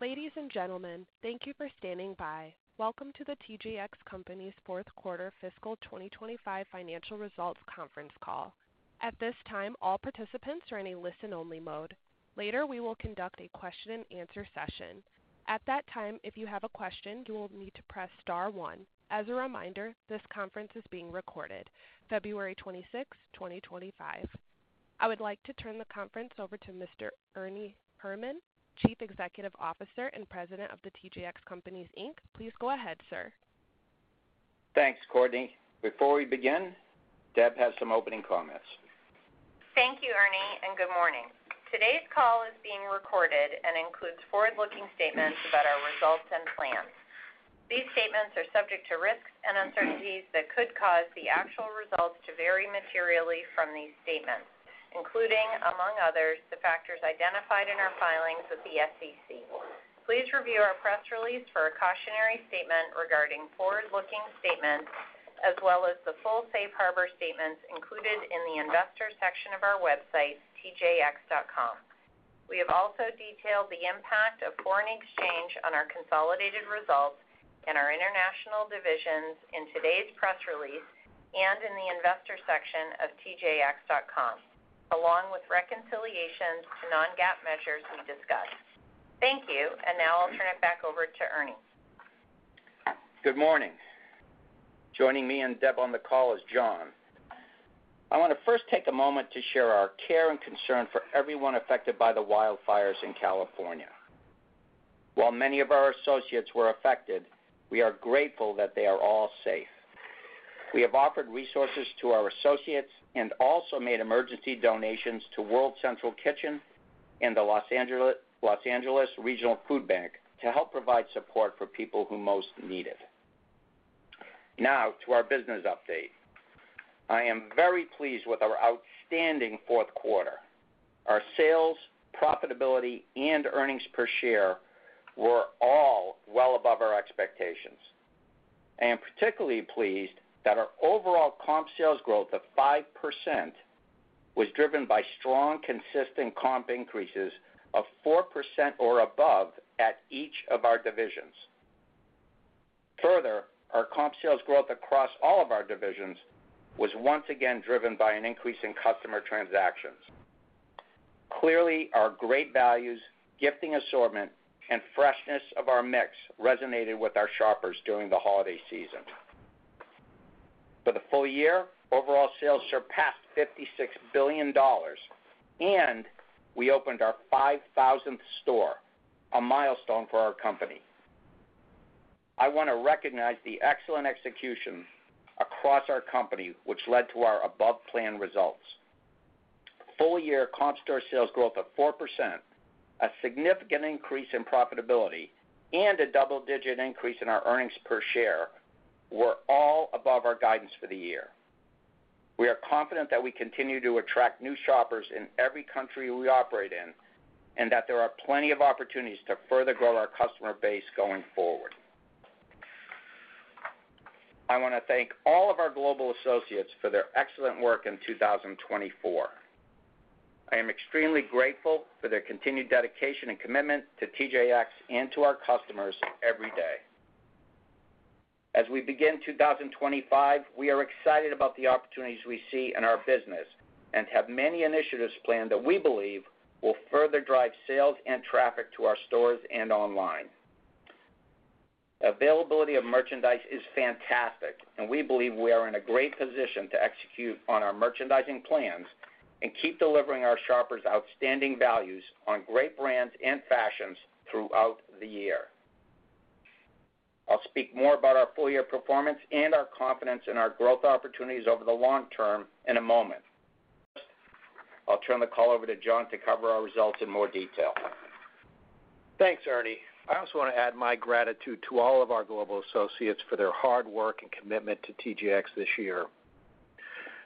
Ladies and gentlemen, thank you for standing by. Welcome to The TJX Companies' Fourth Quarter Fiscal 2025 Financial Results conference call. At this time, all participants are in a listen-only mode. Later, we will conduct a question-and-answer session. At that time, if you have a question, you will need to press star one. As a reminder, this conference is being recorded. February 26, 2025. I would like to turn the conference over to Mr. Ernie Herrman, Chief Executive Officer and President of The TJX Companies, Inc. Please go ahead, sir. Thanks, Courtney. Before we begin, Deb has some opening comments. Thank you, Ernie, and good morning. Today's call is being recorded and includes forward-looking statements about our results and plans. These statements are subject to risks and uncertainties that could cause the actual results to vary materially from these statements, including, among others, the factors identified in our filings with the SEC. Please review our press release for a cautionary statement regarding forward-looking statements, as well as the full Safe Harbor statements included in the investor section of our website, TJX.com. We have also detailed the impact of foreign exchange on our consolidated results and our international divisions in today's press release and in the investor section of TJX.com, along with reconciliations to non-GAAP measures we discussed. Thank you, and now I'll turn it back over to Ernie. Good morning. Joining me and Deb on the call is John. I want to first take a moment to share our care and concern for everyone affected by the wildfires in California. While many of our associates were affected, we are grateful that they are all safe. We have offered resources to our associates and also made emergency donations to World Central Kitchen and the Los Angeles Regional Food Bank to help provide support for people who most need it. Now, to our business update. I am very pleased with our outstanding fourth quarter. Our sales, profitability, and earnings per share were all well above our expectations. I am particularly pleased that our overall comp sales growth of 5% was driven by strong, consistent comp increases of 4% or above at each of our divisions. Further, our comp sales growth across all of our divisions was once again driven by an increase in customer transactions. Clearly, our great values, gifting assortment, and freshness of our mix resonated with our shoppers during the holiday season. For the full year, overall sales surpassed $56 billion, and we opened our 5,000th store, a milestone for our company. I want to recognize the excellent execution across our company, which led to our above-planned results. Full-year comp store sales growth of 4%, a significant increase in profitability, and a double-digit increase in our earnings per share were all above our guidance for the year. We are confident that we continue to attract new shoppers in every country we operate in and that there are plenty of opportunities to further grow our customer base going forward. I want to thank all of our global associates for their excellent work in 2024. I am extremely grateful for their continued dedication and commitment to TJX and to our customers every day. As we begin 2025, we are excited about the opportunities we see in our business and have many initiatives planned that we believe will further drive sales and traffic to our stores and online. Availability of merchandise is fantastic, and we believe we are in a great position to execute on our merchandising plans and keep delivering our shoppers outstanding values on great brands and fashions throughout the year. I'll speak more about our full-year performance and our confidence in our growth opportunities over the long term in a moment. I'll turn the call over to John to cover our results in more detail. Thanks, Ernie. I also want to add my gratitude to all of our global associates for their hard work and commitment to TJX this year.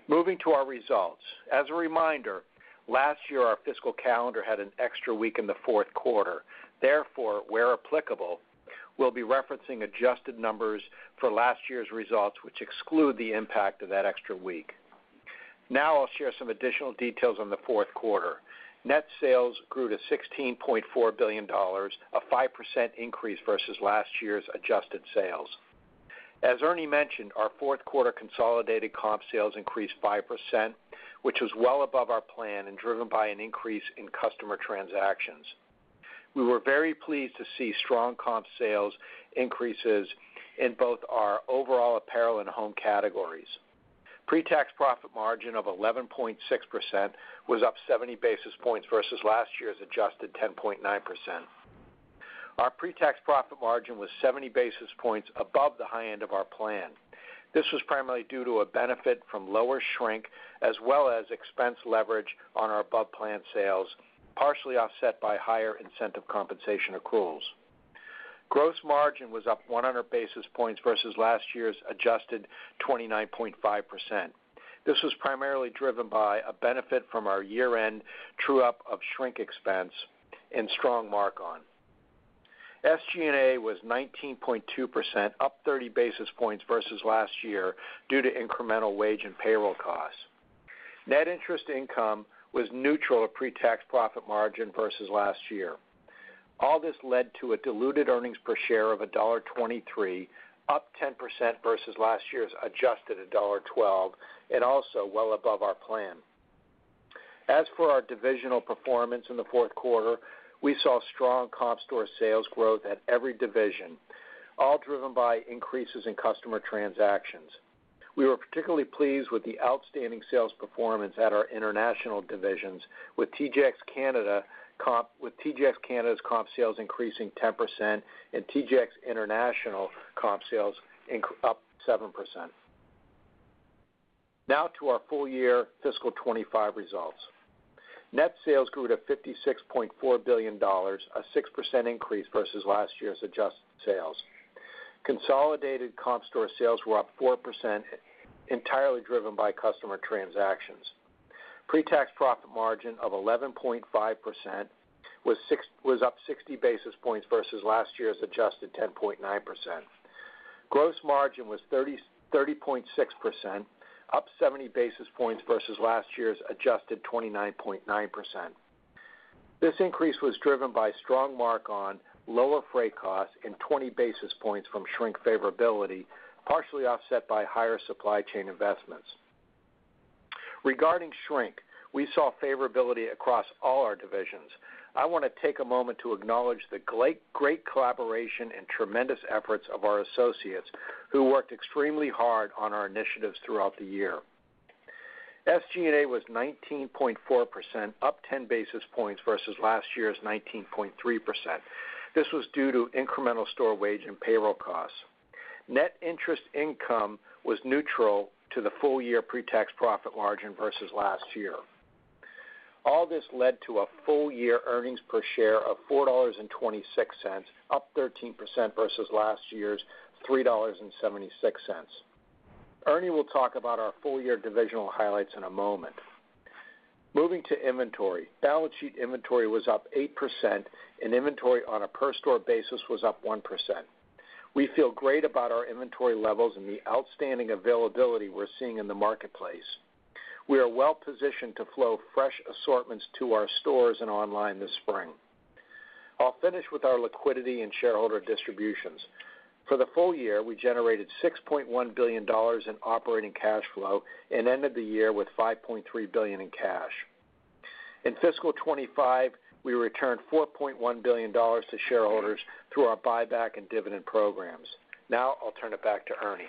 Moving to our results. As a reminder, last year, our fiscal calendar had an extra week in the fourth quarter. Therefore, where applicable, we'll be referencing adjusted numbers for last year's results, which exclude the impact of that extra week. Now, I'll share some additional details on the fourth quarter. Net sales grew to $16.4 billion, a 5% increase versus last year's adjusted sales. As Ernie mentioned, our fourth quarter consolidated comp sales increased 5%, which was well above our plan and driven by an increase in customer transactions. We were very pleased to see strong comp sales increases in both our overall apparel and home categories. Pre-tax profit margin of 11.6% was up 70 basis points versus last year's adjusted 10.9%. Our pre-tax profit margin was 70 basis points above the high end of our plan. This was primarily due to a benefit from lower shrink as well as expense leverage on our above-planned sales, partially offset by higher incentive compensation accruals. Gross margin was up 100 basis points versus last year's adjusted 29.5%. This was primarily driven by a benefit from our year-end true-up of shrink expense and strong mark-on. SG&A was 19.2%, up 30 basis points versus last year due to incremental wage and payroll costs. Net interest income was neutral to pre-tax profit margin versus last year. All this led to a diluted earnings per share of $1.23, up 10% versus last year's adjusted $1.12, and also well above our plan. As for our divisional performance in the fourth quarter, we saw strong comp store sales growth at every division, all driven by increases in customer transactions. We were particularly pleased with the outstanding sales performance at our international divisions, with TJX Canada's comp sales increasing 10% and TJX International's comp sales up 7%. Now to our full-year fiscal 2025 results. Net sales grew to $56.4 billion, a 6% increase versus last year's adjusted sales. Consolidated comp store sales were up 4%, entirely driven by customer transactions. Pre-tax profit margin of 11.5% was up 60 basis points versus last year's adjusted 10.9%. Gross margin was 30.6%, up 70 basis points versus last year's adjusted 29.9%. This increase was driven by strong mark-on, lower freight costs, and 20 basis points from shrink favorability, partially offset by higher supply chain investments. Regarding shrink, we saw favorability across all our divisions. I want to take a moment to acknowledge the great collaboration and tremendous efforts of our associates who worked extremely hard on our initiatives throughout the year. SG&A was 19.4%, up 10 basis points versus last year's 19.3%. This was due to incremental store wage and payroll costs. Net interest income was neutral to the full-year pre-tax profit margin versus last year. All this led to a full-year earnings per share of $4.26, up 13% versus last year's $3.76. Ernie will talk about our full-year divisional highlights in a moment. Moving to inventory, balance sheet inventory was up 8%, and inventory on a per-store basis was up 1%. We feel great about our inventory levels and the outstanding availability we're seeing in the marketplace. We are well positioned to flow fresh assortments to our stores and online this spring. I'll finish with our liquidity and shareholder distributions. For the full year, we generated $6.1 billion in operating cash flow and ended the year with $5.3 billion in cash. In fiscal 2025, we returned $4.1 billion to shareholders through our buyback and dividend programs. Now, I'll turn it back to Ernie.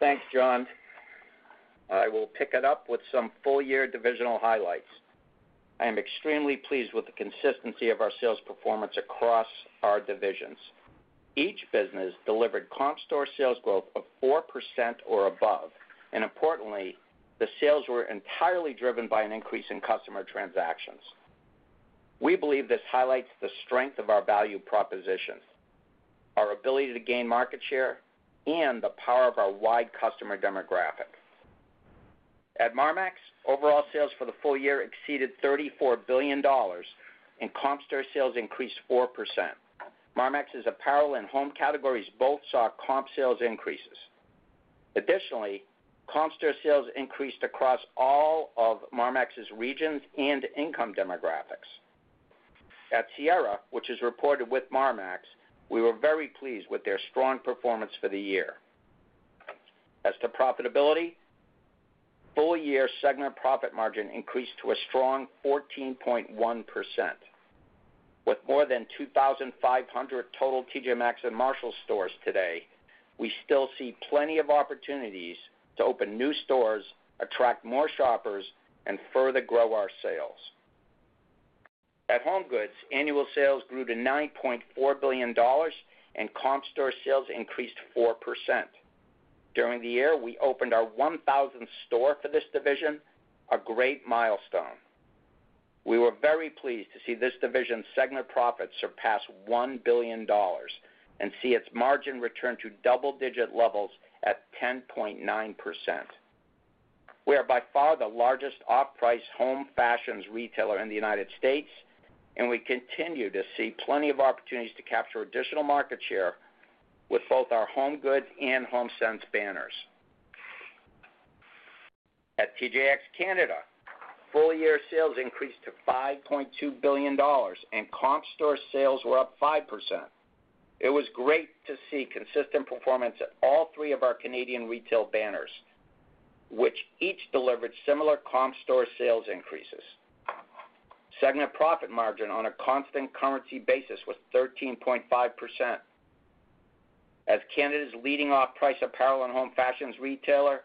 Thanks, John. I will pick it up with some full-year divisional highlights. I am extremely pleased with the consistency of our sales performance across our divisions. Each business delivered comp store sales growth of 4% or above, and importantly, the sales were entirely driven by an increase in customer transactions. We believe this highlights the strength of our value proposition, our ability to gain market share, and the power of our wide customer demographic. At Marmaxx, overall sales for the full year exceeded $34 billion, and comp store sales increased 4%. Marmaxx's apparel and home categories both saw comp sales increases. Additionally, comp store sales increased across all of Marmaxx's regions and income demographics. At Sierra, which is reported with Marmaxx, we were very pleased with their strong performance for the year. As to profitability, full-year segment profit margin increased to a strong 14.1%. With more than 2,500 total T.J. Maxx and Marshalls stores today, we still see plenty of opportunities to open new stores, attract more shoppers, and further grow our sales. At HomeGoods, annual sales grew to $9.4 billion, and comp store sales increased 4%. During the year, we opened our 1,000th store for this division, a great milestone. We were very pleased to see this division's segment profits surpass $1 billion and see its margin return to double-digit levels at 10.9%. We are by far the largest off-price home fashions retailer in the United States, and we continue to see plenty of opportunities to capture additional market share with both our HomeGoods and HomeSense banners. At TJX Canada, full-year sales increased to $5.2 billion, and comp store sales were up 5%. It was great to see consistent performance at all three of our Canadian retail banners, which each delivered similar comp store sales increases. Segment profit margin on a constant currency basis was 13.5%. As Canada's leading off-price apparel and home fashions retailer,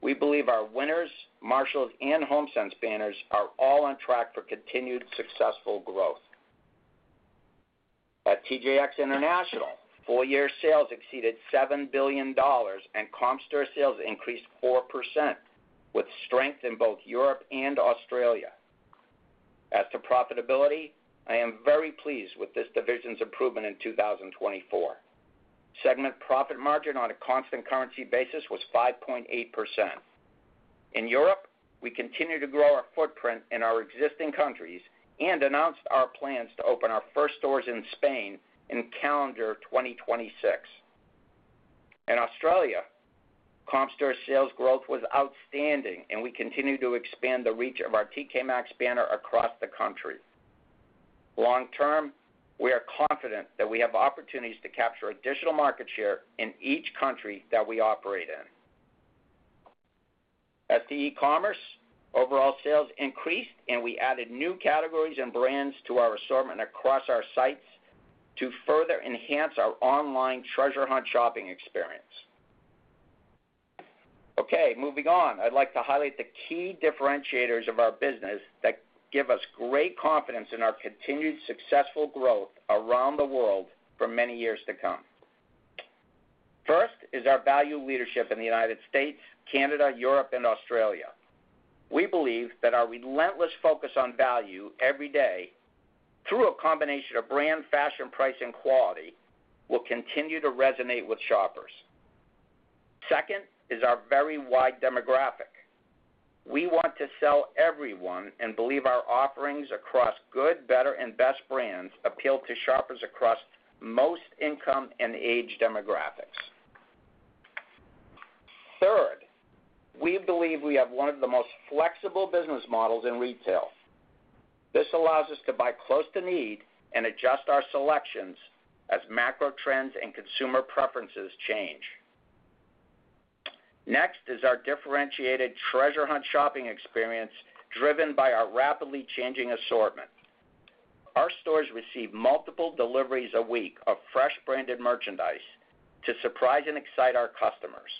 we believe our Winners, Marshalls and HomeSense banners are all on track for continued successful growth. At TJX International, full-year sales exceeded $7 billion, and comp store sales increased 4%, with strength in both Europe and Australia. As to profitability, I am very pleased with this division's improvement in 2024. Segment profit margin on a constant currency basis was 5.8%. In Europe, we continue to grow our footprint in our existing countries and announced our plans to open our first stores in Spain in calendar 2026. In Australia, comp store sales growth was outstanding, and we continue to expand the reach of our TK Maxx banner across the country. Long term, we are confident that we have opportunities to capture additional market share in each country that we operate in. At TJX e-commerce, overall sales increased, and we added new categories and brands to our assortment across our sites to further enhance our online treasure hunt shopping experience. Okay, moving on, I'd like to highlight the key differentiators of our business that give us great confidence in our continued successful growth around the world for many years to come. First is our value leadership in the United States, Canada, Europe, and Australia. We believe that our relentless focus on value every day through a combination of brand, fashion, price, and quality will continue to resonate with shoppers. Second is our very wide demographic. We want to sell to everyone and believe our offerings across good, better, and best brands appeal to shoppers across most income and age demographics. Third, we believe we have one of the most flexible business models in retail. This allows us to buy close to need and adjust our selections as macro trends and consumer preferences change. Next is our differentiated treasure hunt shopping experience driven by our rapidly changing assortment. Our stores receive multiple deliveries a week of fresh branded merchandise to surprise and excite our customers.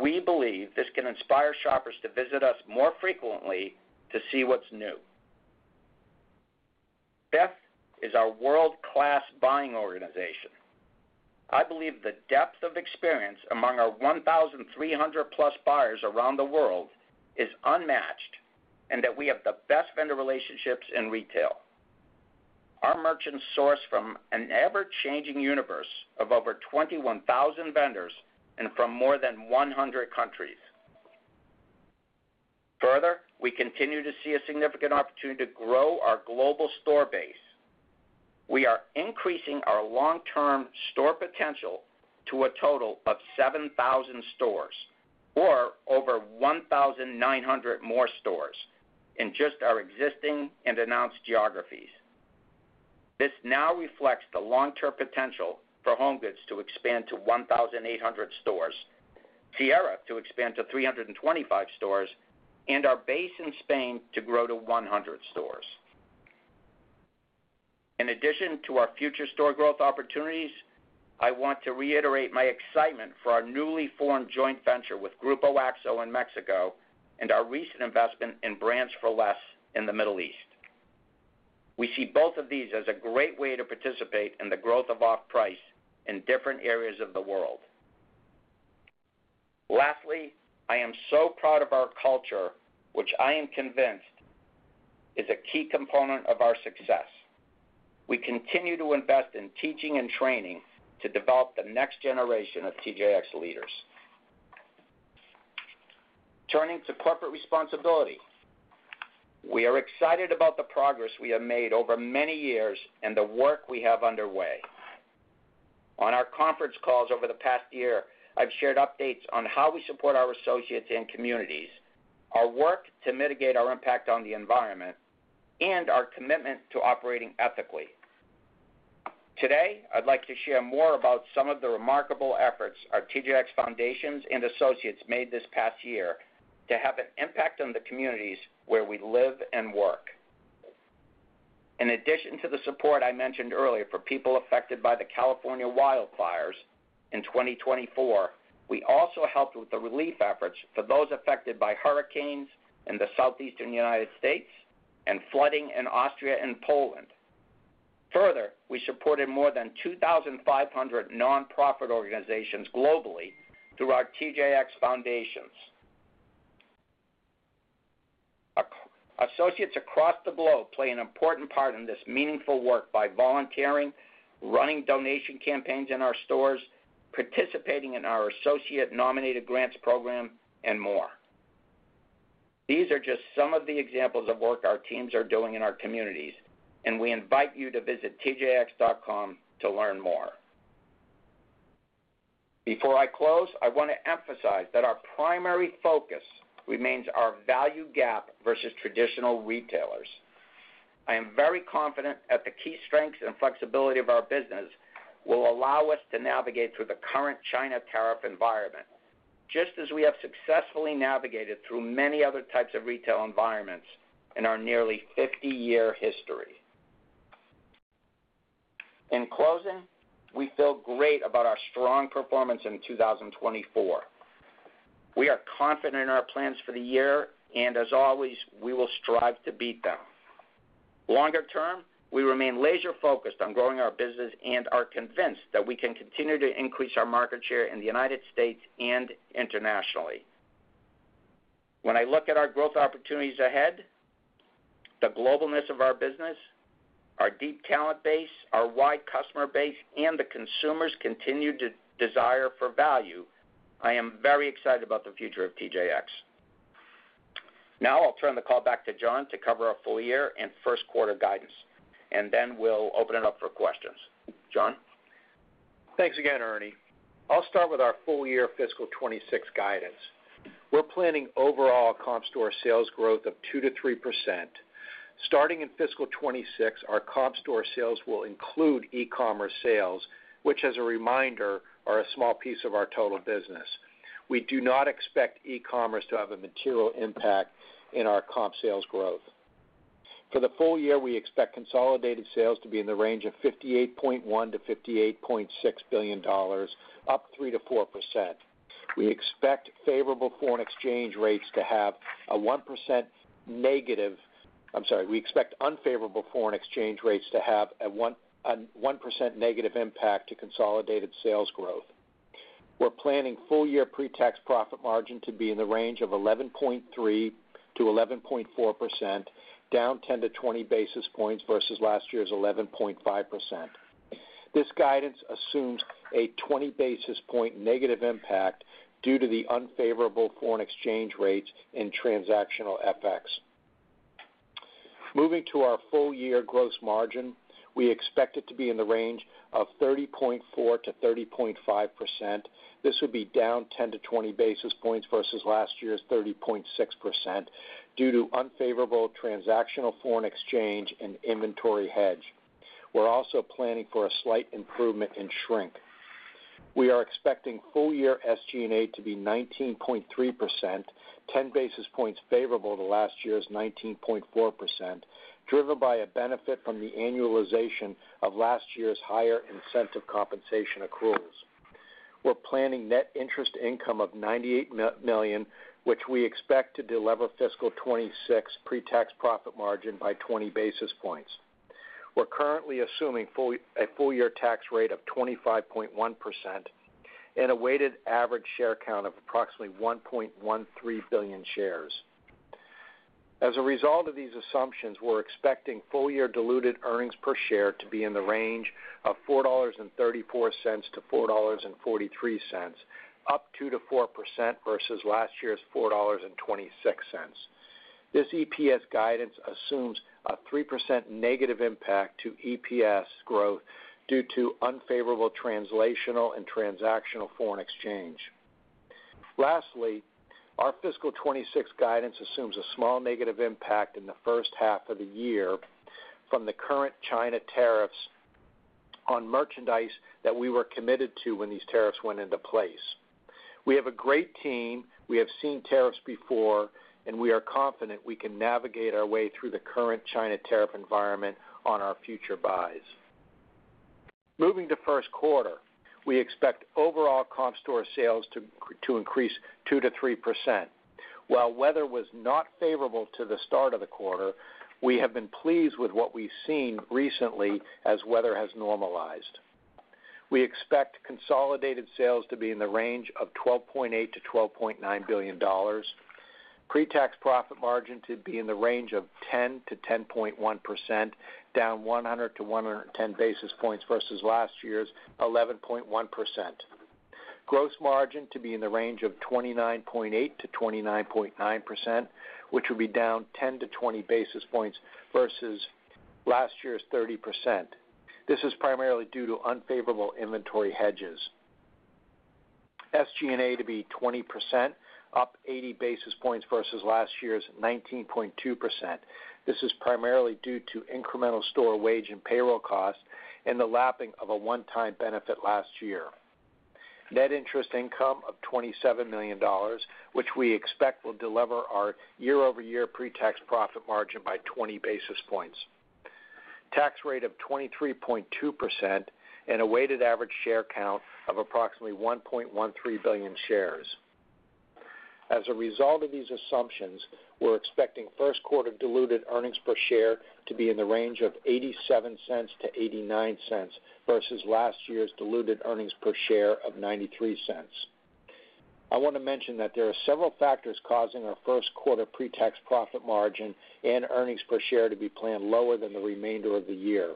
We believe this can inspire shoppers to visit us more frequently to see what's new. Fifth is our world-class buying organization. I believe the depth of experience among our 1,300-plus buyers around the world is unmatched and that we have the best vendor relationships in retail. Our merchants source from an ever-changing universe of over 21,000 vendors and from more than 100 countries. Further, we continue to see a significant opportunity to grow our global store base. We are increasing our long-term store potential to a total of 7,000 stores or over 1,900 more stores in just our existing and announced geographies. This now reflects the long-term potential for HomeGoods to expand to 1,800 stores, Sierra to expand to 325 stores, and our base in Spain to grow to 100 stores. In addition to our future store growth opportunities, I want to reiterate my excitement for our newly formed joint venture with Grupo Axo in Mexico and our recent investment in Brands For Less in the Middle East. We see both of these as a great way to participate in the growth of off-price in different areas of the world. Lastly, I am so proud of our culture, which I am convinced is a key component of our success. We continue to invest in teaching and training to develop the next generation of TJX leaders. Turning to corporate responsibility, we are excited about the progress we have made over many years and the work we have underway. On our conference calls over the past year, I've shared updates on how we support our associates and communities, our work to mitigate our impact on the environment, and our commitment to operating ethically. Today, I'd like to share more about some of the remarkable efforts our TJX Foundation and associates made this past year to have an impact on the communities where we live and work. In addition to the support I mentioned earlier for people affected by the California wildfires in 2024, we also helped with the relief efforts for those affected by hurricanes in the southeastern United States and flooding in Austria and Poland. Further, we supported more than 2,500 nonprofit organizations globally through our TJX Foundations. Associates across the globe play an important part in this meaningful work by volunteering, running donation campaigns in our stores, participating in our associate nominated grants program, and more. These are just some of the examples of work our teams are doing in our communities, and we invite you to visit TJX.com to learn more. Before I close, I want to emphasize that our primary focus remains our value gap versus traditional retailers. I am very confident that the key strengths and flexibility of our business will allow us to navigate through the current China tariff environment, just as we have successfully navigated through many other types of retail environments in our nearly 50-year history. In closing, we feel great about our strong performance in 2024. We are confident in our plans for the year, and as always, we will strive to beat them. Longer term, we remain laser-focused on growing our business and are convinced that we can continue to increase our market share in the United States and internationally. When I look at our growth opportunities ahead, the globalness of our business, our deep talent base, our wide customer base, and the consumers' continued desire for value, I am very excited about the future of TJX. Now, I'll turn the call back to John to cover our full-year and first-quarter guidance, and then we'll open it up for questions. John? Thanks again, Ernie. I'll start with our full-year fiscal 2026 guidance. We're planning overall comp store sales growth of 2%-3%. Starting in fiscal 2026, our comp store sales will include e-commerce sales, which, as a reminder, are a small piece of our total business. We do not expect e-commerce to have a material impact in our comp sales growth. For the full year, we expect consolidated sales to be in the range of $58.1 billion-$58.6 billion, up 3%-4%. We expect favorable foreign exchange rates to have a 1% negative impact, I'm sorry, we expect unfavorable foreign exchange rates to have a 1% negative impact to consolidated sales growth. We're planning full-year pre-tax profit margin to be in the range of 11.3%-11.4%, down 10 to 20 basis points versus last year's 11.5%. This guidance assumes a 20 basis point negative impact due to the unfavorable foreign exchange rates and transactional FX. Moving to our full-year gross margin, we expect it to be in the range of 30.4%-30.5%. This would be down 10-20 basis points versus last year's 30.6% due to unfavorable transactional foreign exchange and inventory hedge. We're also planning for a slight improvement in shrink. We are expecting full-year SG&A to be 19.3%, 10 basis points favorable to last year's 19.4%, driven by a benefit from the annualization of last year's higher incentive compensation accruals. We're planning net interest income of $98 million, which we expect to delever fiscal 2026 pretax profit margin by 20 basis points. We're currently assuming a full-year tax rate of 25.1% and a weighted average share count of approximately 1.13 billion shares. As a result of these assumptions, we're expecting full-year diluted earnings per share to be in the range of $4.34-$4.43, up 2%-4% versus last year's $4.26. This EPS guidance assumes a 3% negative impact to EPS growth due to unfavorable translational and transactional foreign exchange. Lastly, our fiscal 2026 guidance assumes a small negative impact in the first half of the year from the current China tariffs on merchandise that we were committed to when these tariffs went into place. We have a great team. We have seen tariffs before, and we are confident we can navigate our way through the current China tariff environment on our future buys. Moving to first quarter, we expect overall comp store sales to increase 2%-3%. While weather was not favorable to the start of the quarter, we have been pleased with what we've seen recently as weather has normalized. We expect consolidated sales to be in the range of $12.8 billion-$12.9 billion, pretax profit margin to be in the range of 10%-10.1%, down 100-110 basis points versus last year's 11.1%. Gross margin to be in the range of 29.8-29.9%, which would be down 10-20 basis points versus last year's 30%. This is primarily due to unfavorable inventory hedges. SG&A to be 20%, up 80 basis points versus last year's 19.2%. This is primarily due to incremental store wage and payroll costs and the lapping of a one-time benefit last year. Net interest income of $27 million, which we expect will delever our year-over-year pretax profit margin by 20 basis points. Tax rate of 23.2% and a weighted average share count of approximately 1.13 billion shares. As a result of these assumptions, we're expecting first-quarter diluted earnings per share to be in the range of $0.87 to $0.89 versus last year's diluted earnings per share of $0.93. I want to mention that there are several factors causing our first-quarter pretax profit margin and earnings per share to be planned lower than the remainder of the year.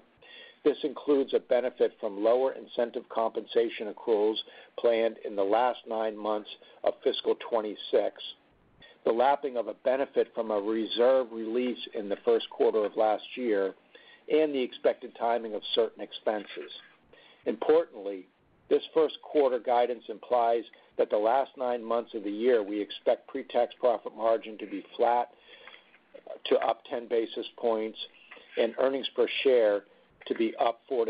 This includes a benefit from lower incentive compensation accruals planned in the last nine months of fiscal 2026, the lapping of a benefit from a reserve release in the first quarter of last year, and the expected timing of certain expenses. Importantly, this first-quarter guidance implies that the last nine months of the year, we expect pre-tax profit margin to be flat to up 10 basis points and earnings per share to be up 4%-6%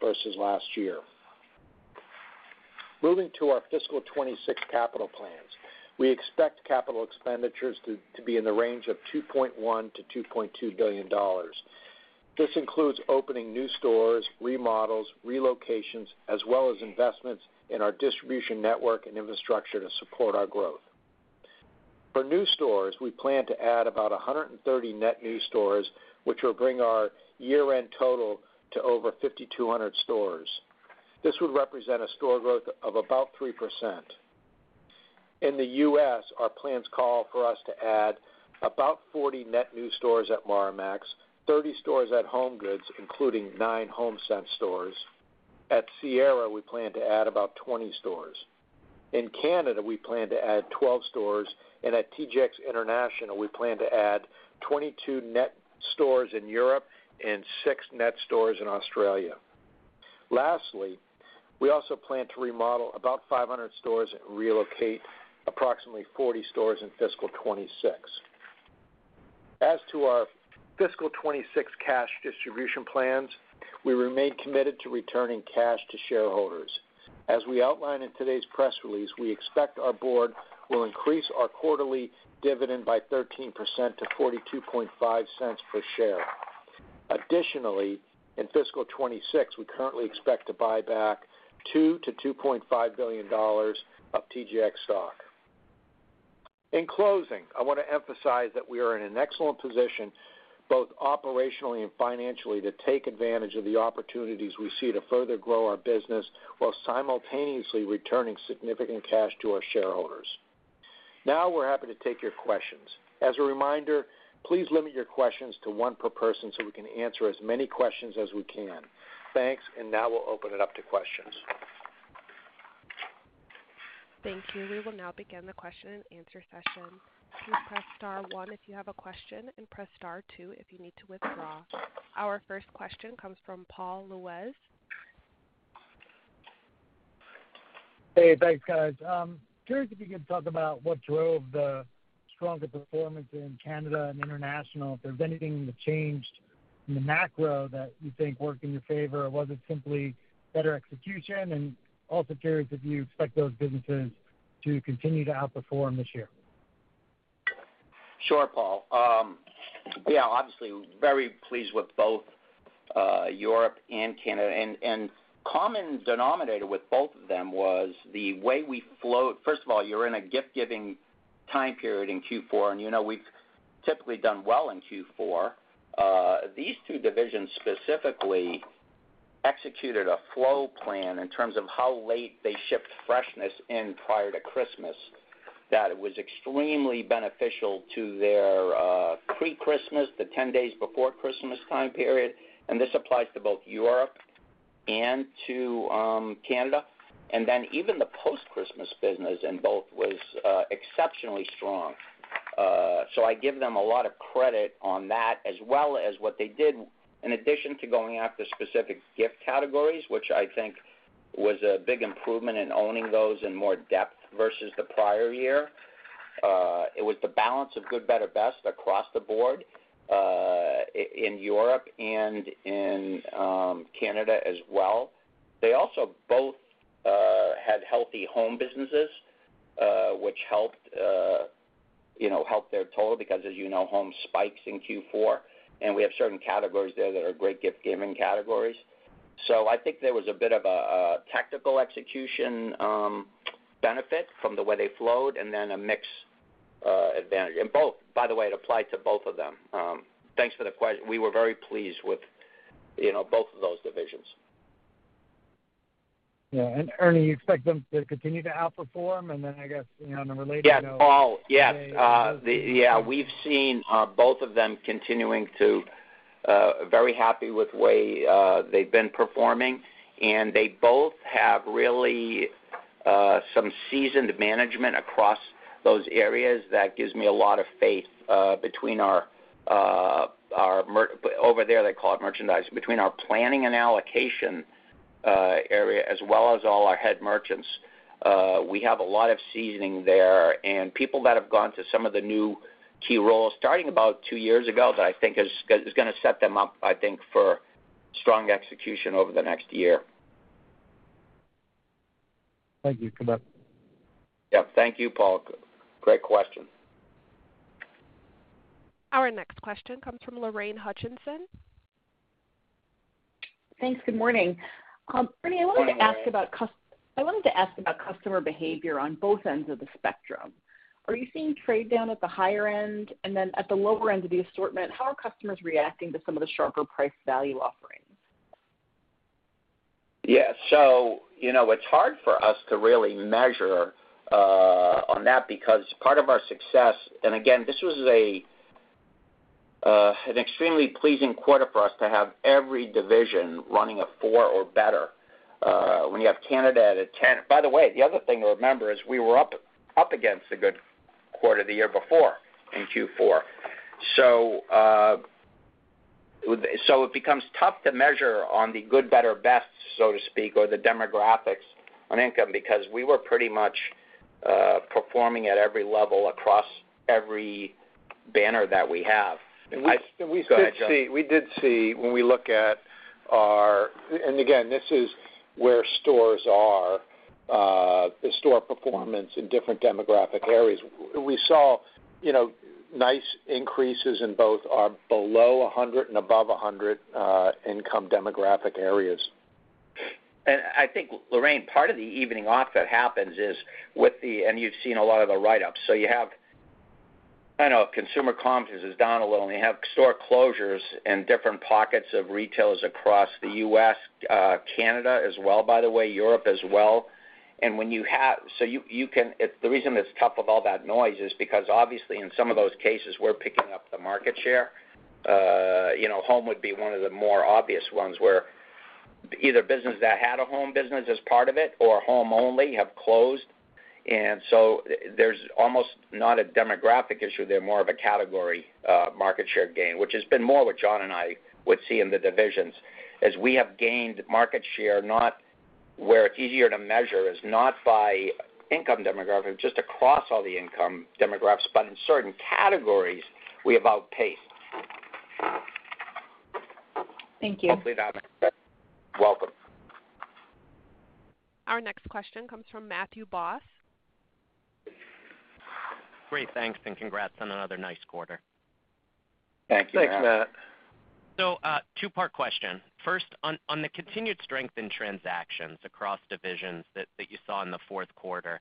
versus last year. Moving to our fiscal 2026 capital plans, we expect capital expenditures to be in the range of $2.1 billion-$2.2 billion. This includes opening new stores, remodels, relocations, as well as investments in our distribution network and infrastructure to support our growth. For new stores, we plan to add about 130 net new stores, which will bring our year-end total to over 5,200 stores. This would represent a store growth of about 3%. In the U.S., our plans call for us to add about 40 net new stores at Marmaxx, 30 stores at HomeGoods, including nine HomeSense stores. At Sierra, we plan to add about 20 stores. In Canada, we plan to add 12 stores, and at TJX International, we plan to add 22 net stores in Europe and six net stores in Australia. Lastly, we also plan to remodel about 500 stores and relocate approximately 40 stores in fiscal 2026. As to our fiscal 2026 cash distribution plans, we remain committed to returning cash to shareholders. As we outline in today's press release, we expect our board will increase our quarterly dividend by 13% to $0.425 per share. Additionally, in fiscal 2026, we currently expect to buy back $2 billion-$2.5 billion of TJX stock. In closing, I want to emphasize that we are in an excellent position, both operationally and financially, to take advantage of the opportunities we see to further grow our business while simultaneously returning significant cash to our shareholders. Now, we're happy to take your questions. As a reminder, please limit your questions to one per person so we can answer as many questions as we can. Thanks, and now we'll open it up to questions. Thank you. We will now begin the question-and-answer session. Please press star one if you have a question and press star two if you need to withdraw. Our first question comes from Paul Lejuez. Hey, thanks, guys. I'm curious if you could talk about what drove the stronger performance in Canada and international. If there's anything that changed in the macro that you think worked in your favor, was it simply better execution? And also curious if you expect those businesses to continue to outperform this year? Sure, Paul. Yeah, obviously, very pleased with both Europe and Canada. And common denominator with both of them was the way we flowed. First of all, you're in a gift-giving time period in Q4, and we've typically done well in Q4. These two divisions specifically executed a flow plan in terms of how late they shipped freshness in prior to Christmas. That was extremely beneficial to their pre-Christmas, the 10 days before Christmas time period. And this applies to both Europe and to Canada. And then even the post-Christmas business in both was exceptionally strong. So I give them a lot of credit on that, as well as what they did in addition to going after specific gift categories, which I think was a big improvement in owning those in more depth versus the prior year. It was the balance of good, better, best across the board in Europe and in Canada as well. They also both had healthy home businesses, which helped their total because, as you know, home spikes in Q4, and we have certain categories there that are great gift-giving categories. So I think there was a bit of a tactical execution benefit from the way they flowed and then a mixed advantage. And both, by the way, it applied to both of them. Thanks for the question. We were very pleased with both of those divisions. Yeah. And Ernie, you expect them to continue to outperform? And then I guess on a related note. Yeah, Paul. Yes. Yeah. We've seen both of them continuing to be very happy with the way they've been performing. And they both have really some seasoned management across those areas that gives me a lot of faith between our, over there, they call it merchandise, between our planning and allocation area, as well as all our head merchants. We have a lot of seasoning there, and people that have gone to some of the new key roles starting about two years ago that I think is going to set them up, I think, for strong execution over the next year. Thank you. Good luck. Yeah. Thank you, Paul. Great question. Our next question comes from Lorraine Hutchinson. Thanks. Good morning. Ernie, I wanted to ask about customer behavior on both ends of the spectrum. Are you seeing trade down at the higher end? And then at the lower end of the assortment, how are customers reacting to some of the sharper price value offerings? Yeah, so it's hard for us to really measure on that because part of our success, and again, this was an extremely pleasing quarter for us to have every division running a four or better. When you have Canada at a, by the way, the other thing to remember is we were up against the good quarter the year before in Q4. So it becomes tough to measure on the good, better, best, so to speak, or the demographics on income because we were pretty much performing at every level across every banner that we have. We did see when we look at our, and again, this is where stores are, the store performance in different demographic areas. We saw nice increases in both our below 100 and above 100 income demographic areas. I think, Lorraine, part of the evening out that happens is with the—and you've seen a lot of the write-ups. So you have I don't know if consumer confidence is down a little. You have store closures in different pockets of retailers across the U.S., Canada as well, by the way, Europe as well. When you have the reason it's tough with all that noise is because, obviously, in some of those cases, we're picking up the market share. Home would be one of the more obvious ones where either business that had a home business as part of it or home only have closed. So there's almost not a demographic issue. They're more of a category market share gain, which has been more what John and I would see in the divisions as we have gained market share not where it's easier to measure, is not by income demographic, just across all the income demographics, but in certain categories, we have outpaced. Thank you. Hopefully, that makes sense. Welcome. Our next question comes from Matthew Boss. Great. Thanks, and congrats on another nice quarter. Thank you, Matt. Thanks, Matt. So two-part question. First, on the continued strength in transactions across divisions that you saw in the fourth quarter,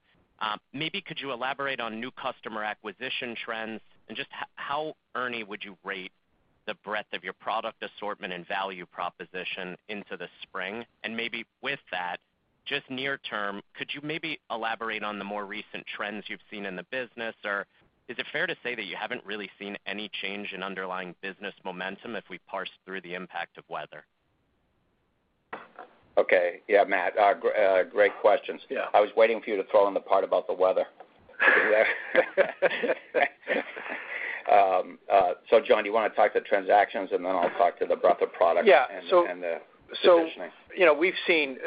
maybe could you elaborate on new customer acquisition trends and just how, Ernie, would you rate the breadth of your product assortment and value proposition into the spring? And maybe with that, just near term, could you maybe elaborate on the more recent trends you've seen in the business? Or is it fair to say that you haven't really seen any change in underlying business momentum if we parse through the impact of weather? Okay. Yeah, Matt. Great questions. I was waiting for you to throw in the part about the weather. So John, do you want to talk to transactions, and then I'll talk to the breadth of product and the positioning? Yeah. So we've seen,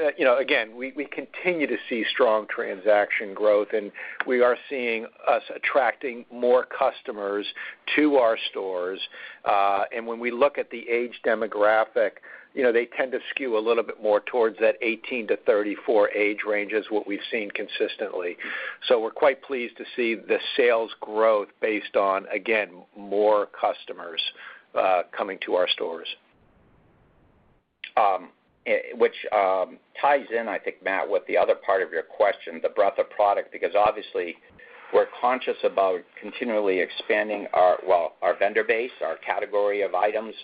again, we continue to see strong transaction growth, and we are seeing us attracting more customers to our stores. And when we look at the age demographic, they tend to skew a little bit more towards that 18-34 age range, is what we've seen consistently. So we're quite pleased to see the sales growth based on, again, more customers coming to our stores. Which ties in, I think, Matt, with the other part of your question, the breadth of product, because obviously, we're conscious about continually expanding our vendor base, our category of items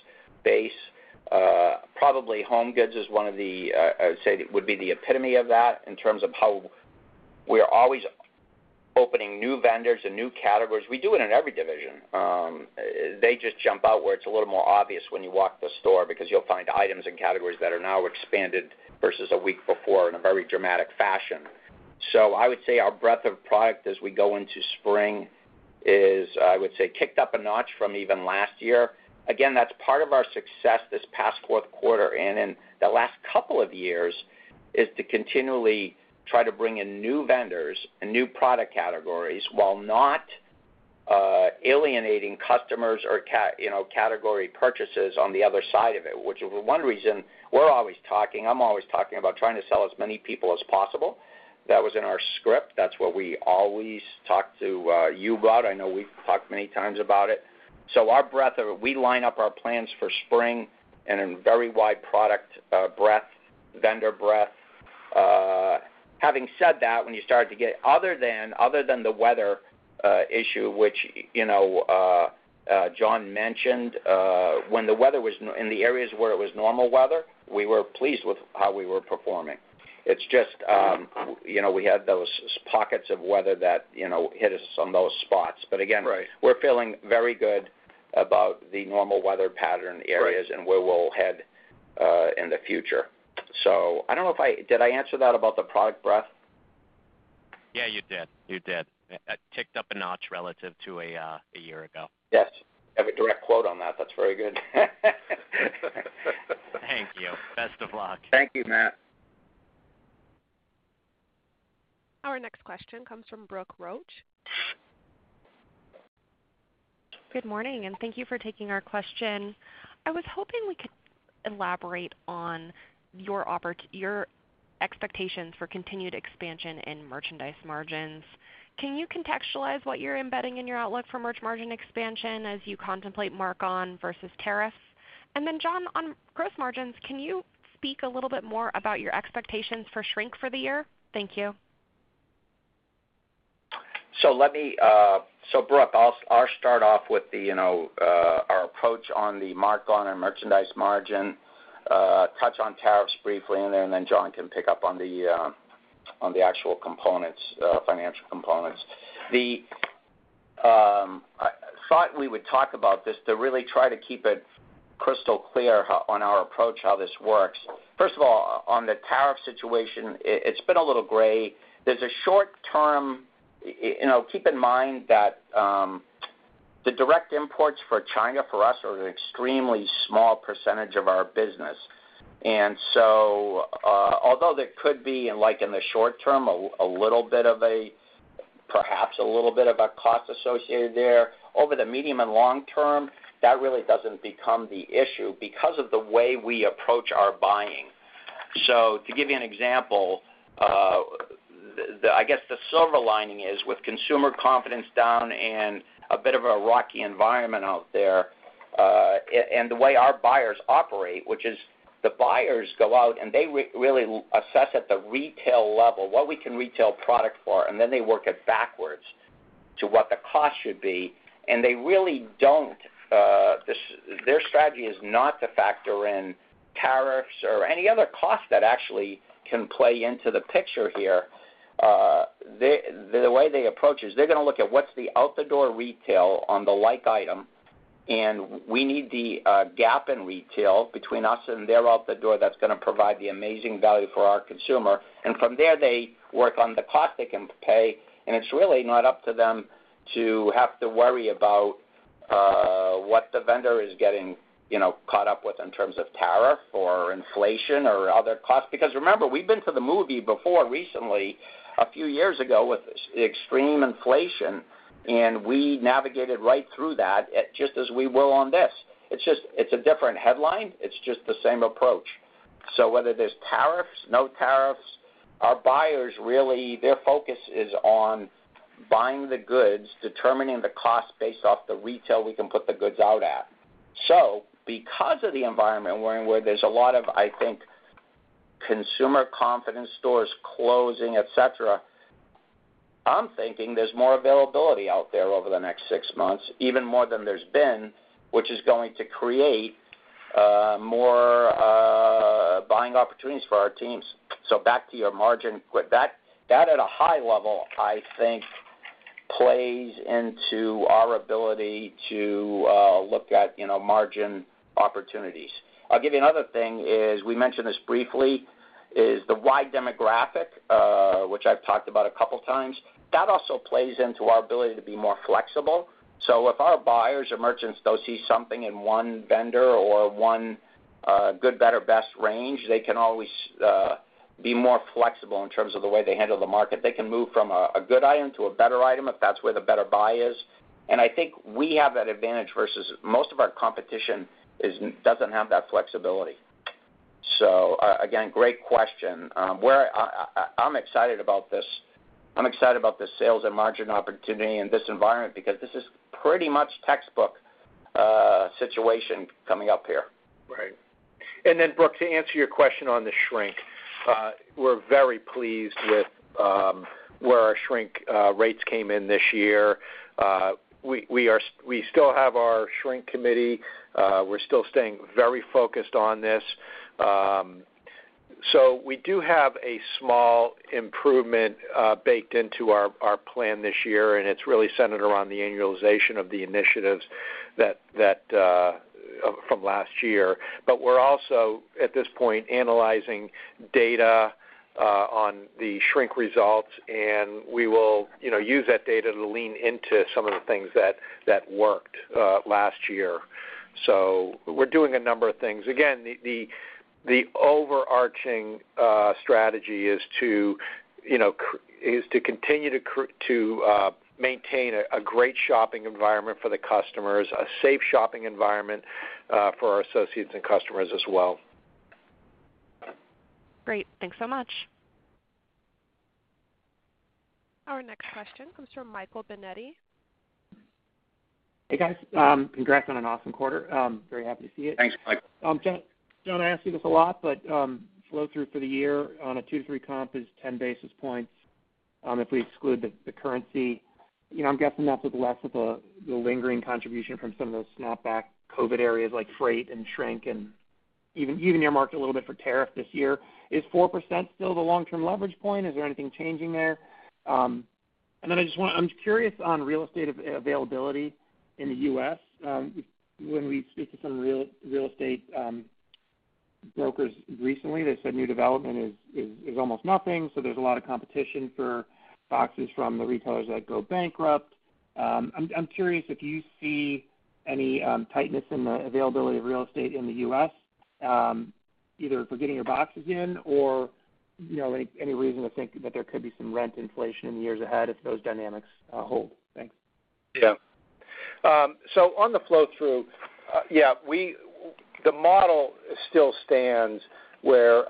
base. Probably HomeGoods is one of the I would say it would be the epitome of that in terms of how we're always opening new vendors and new categories. We do it in every division. They just jump out where it's a little more obvious when you walk the store because you'll find items and categories that are now expanded versus a week before in a very dramatic fashion. So I would say our breadth of product as we go into spring is, I would say, kicked up a notch from even last year. Again, that's part of our success this past fourth quarter, and in the last couple of years, is to continually try to bring in new vendors and new product categories while not alienating customers or category purchases on the other side of it, which is one reason we're always talking. I'm always talking about trying to sell as many people as possible. That was in our script. That's what we always talk to you about. I know we've talked many times about it. So our breadth of, we line up our plans for spring in a very wide product breadth, vendor breadth. Having said that, when you started to get other than the weather issue, which John mentioned, when the weather was in the areas where it was normal weather, we were pleased with how we were performing. It's just we had those pockets of weather that hit us on those spots. But again, we're feeling very good about the normal weather pattern areas and where we'll head in the future. So I don't know if I, did I answer that about the product breadth? Yeah, you did. You did. It ticked up a notch relative to a year ago. Yes. Have a direct quote on that. That's very good. Thank you. Best of luck. Thank you, Matt. Our next question comes from Brooke Roach. Good morning, and thank you for taking our question. I was hoping we could elaborate on your expectations for continued expansion in merchandise margins. Can you contextualize what you're embedding in your outlook for merch margin expansion as you contemplate mark-on versus tariffs? And then John, on gross margins, can you speak a little bit more about your expectations for shrink for the year? Thank you. So Brooke, I'll start off with our approach on the mark-on and merchandise margin, touch on tariffs briefly in there, and then John can pick up on the actual components, financial components. The thought we would talk about this to really try to keep it crystal clear on our approach, how this works. First of all, on the tariff situation, it's been a little gray. There's a short-term, keep in mind that the direct imports for China for us are an extremely small percentage of our business. And so although there could be, in the short term, a little bit of a, perhaps a little bit of a cost associated there, over the medium and long term, that really doesn't become the issue because of the way we approach our buying. So to give you an example, I guess the silver lining is with consumer confidence down and a bit of a rocky environment out there, and the way our buyers operate, which is the buyers go out and they really assess at the retail level what we can retail product for, and then they work it backwards to what the cost should be, and they really don't, their strategy is not to factor in tariffs or any other cost that actually can play into the picture here. The way they approach is they're going to look at what's the out-the-door retail on the like item, and we need the gap in retail between us and their out-the-door that's going to provide the amazing value for our consumer, and from there, they work on the cost they can pay. It's really not up to them to have to worry about what the vendor is getting caught up with in terms of tariff or inflation or other costs. Because remember, we've been to the movie before recently, a few years ago with extreme inflation, and we navigated right through that just as we will on this. It's a different headline. It's just the same approach. So whether there's tariffs, no tariffs, our buyers really, their focus is on buying the goods, determining the cost based off the retail we can put the goods out at. So because of the environment where there's a lot of, I think, consumer confidence stores closing, etc., I'm thinking there's more availability out there over the next six months, even more than there's been, which is going to create more buying opportunities for our teams. So back to your margin, that at a high level, I think, plays into our ability to look at margin opportunities. I'll give you another thing is we mentioned this briefly is the wide demographic, which I've talked about a couple of times. That also plays into our ability to be more flexible. So if our buyers or merchants don't see something in one vendor or one good, better, best range, they can always be more flexible in terms of the way they handle the market. They can move from a good item to a better item if that's where the better buy is. And I think we have that advantage versus most of our competition doesn't have that flexibility. So again, great question. I'm excited about this. I'm excited about the sales and margin opportunity in this environment because this is pretty much textbook situation coming up here. Right. And then Brooke, to answer your question on the shrink, we're very pleased with where our shrink rates came in this year. We still have our shrink committee. We're still staying very focused on this. So we do have a small improvement baked into our plan this year, and it's really centered around the annualization of the initiatives from last year. But we're also, at this point, analyzing data on the shrink results, and we will use that data to lean into some of the things that worked last year. So we're doing a number of things. Again, the overarching strategy is to continue to maintain a great shopping environment for the customers, a safe shopping environment for our associates and customers as well. Great. Thanks so much. Our next question comes from Michael Binetti. Hey, guys. Congrats on an awesome quarter. Very happy to see it. Thanks, Michael. John, I ask you this a lot, but flow through for the year on a two to three comp is 10 basis points if we exclude the currency. I'm guessing that's with less of the lingering contribution from some of those snapback COVID areas like freight and shrink and even your market a little bit for tariff this year. Is 4% still the long-term leverage point? Is there anything changing there? And then I just want to, I'm curious on real estate availability in the U.S. When we speak to some real estate brokers recently, they said new development is almost nothing. So there's a lot of competition for boxes from the retailers that go bankrupt. I'm curious if you see any tightness in the availability of real estate in the U.S., either for getting your boxes in or any reason to think that there could be some rent inflation in the years ahead if those dynamics hold? Thanks. Yeah. So on the flow through, yeah, the model still stands where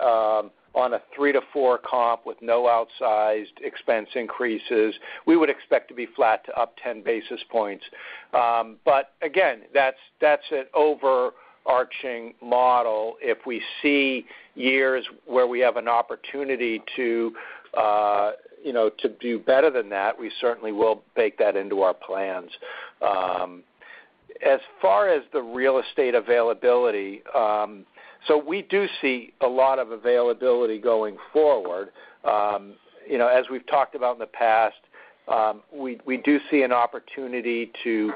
on a three to four comp with no outsized expense increases, we would expect to be flat to up 10 basis points. But again, that's an overarching model. If we see years where we have an opportunity to do better than that, we certainly will bake that into our plans. As far as the real estate availability, so we do see a lot of availability going forward. As we've talked about in the past, we do see an opportunity to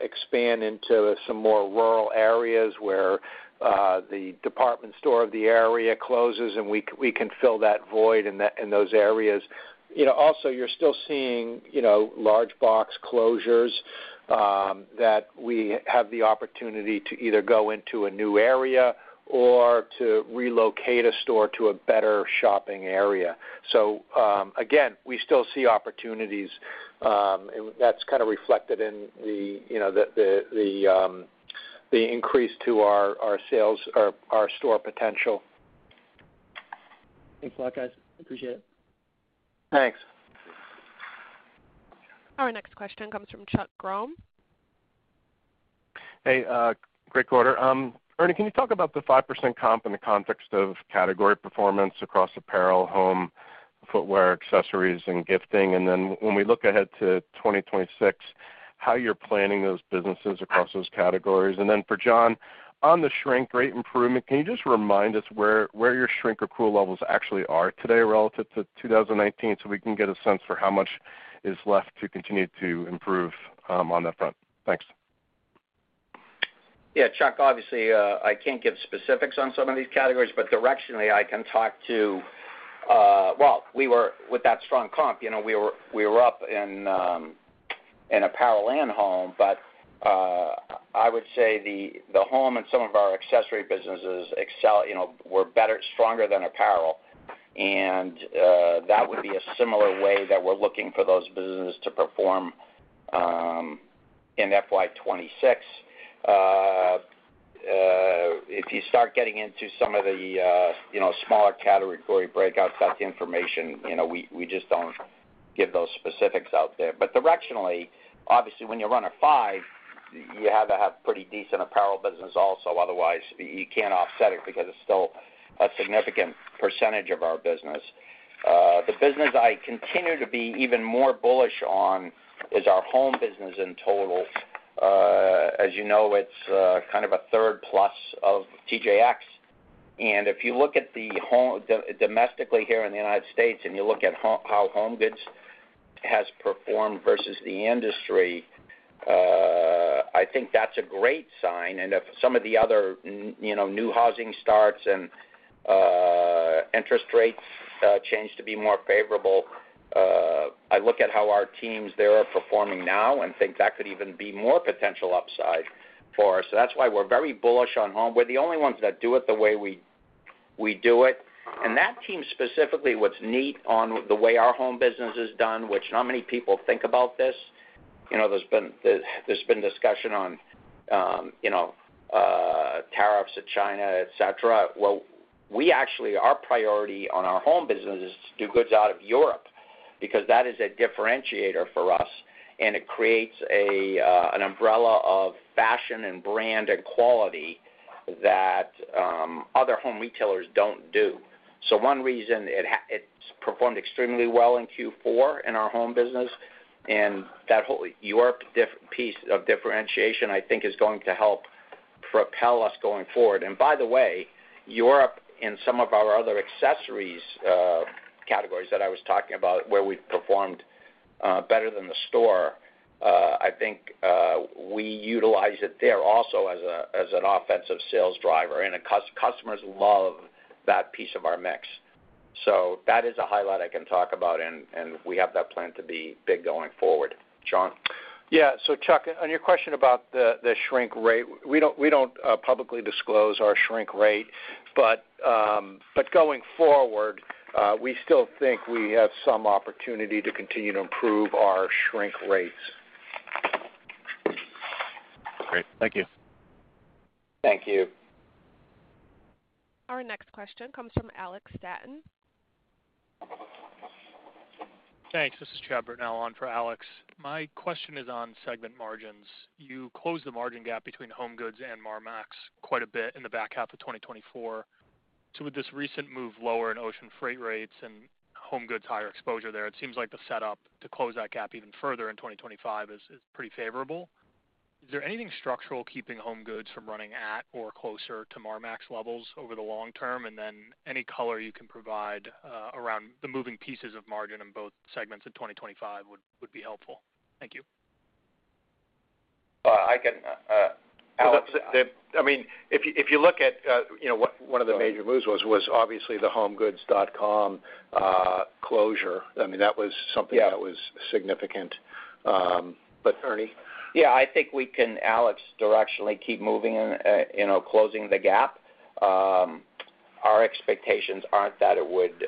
expand into some more rural areas where the department store of the area closes, and we can fill that void in those areas. Also, you're still seeing large box closures that we have the opportunity to either go into a new area or to relocate a store to a better shopping area. So again, we still see opportunities. That's kind of reflected in the increase to our sales or our store potential. Thanks a lot, guys. Appreciate it. Thanks. Our next question comes from Chuck Grom. Hey. Great quarter. Ernie, can you talk about the 5% comp in the context of category performance across apparel, home, footwear, accessories, and gifting? And then when we look ahead to 2026, how you're planning those businesses across those categories? And then for John, on the shrink rate improvement, can you just remind us where your shrink accrual levels actually are today relative to 2019 so we can get a sense for how much is left to continue to improve on that front? Thanks. Yeah. Chuck, obviously, I can't give specifics on some of these categories, but directionally, I can talk to, well, with that strong comp, we were up in apparel and home, but I would say the home and some of our accessory businesses were stronger than apparel. And that would be a similar way that we're looking for those businesses to perform in FY 2026. If you start getting into some of the smaller category breakouts, that's information. We just don't give those specifics out there. But directionally, obviously, when you run a five, you have to have pretty decent apparel business also. Otherwise, you can't offset it because it's still a significant percentage of our business. The business I continue to be even more bullish on is our home business in total. As you know, it's kind of a third plus of TJX. And if you look at the home domestically here in the United States and you look at how HomeGoods has performed versus the industry, I think that's a great sign. And if some of the other new housing starts and interest rates change to be more favorable, I look at how our teams there are performing now and think that could even be more potential upside for us. So that's why we're very bullish on home. We're the only ones that do it the way we do it. And that team specifically, what's neat on the way our home business is done, which not many people think about this. There's been discussion on tariffs in China, etc. We actually, our priority on our home business is to do goods out of Europe because that is a differentiator for us, and it creates an umbrella of fashion and brand and quality that other home retailers don't do. So one reason it's performed extremely well in Q4 in our home business, and that Europe piece of differentiation, I think, is going to help propel us going forward. And by the way, Europe in some of our other accessories categories that I was talking about where we've performed better than the store, I think we utilize it there also as an offensive sales driver, and customers love that piece of our mix. So that is a highlight I can talk about, and we have that plan to be big going forward. John? Yeah, so Chuck, on your question about the shrink rate, we don't publicly disclose our shrink rate, but going forward, we still think we have some opportunity to continue to improve our shrink rates. Great. Thank you. Thank you. Our next question comes from Alex Straton. Thanks. This is Chad Britnell on for Alex. My question is on segment margins. You closed the margin gap between HomeGoods and Marmaxx quite a bit in the back half of 2024. So with this recent move lower in ocean freight rates and HomeGoods higher exposure there, it seems like the setup to close that gap even further in 2025 is pretty favorable. Is there anything structural keeping HomeGoods from running at or closer to Marmaxx levels over the long term? And then any color you can provide around the moving pieces of margin in both segments in 2025 would be helpful. Thank you. I can add to that. I mean, if you look at one of the major moves was obviously the HomeGoods.com closure. I mean, that was something that was significant. But Ernie? Yeah. I think we can, Alex, directionally keep moving and closing the gap. Our expectations aren't that it would